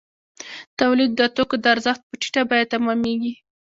تولید د توکو د ارزښت په ټیټه بیه تمامېږي